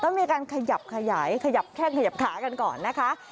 มีการขยับขยายขยับแข้งขยับขากันก่อนนะคะ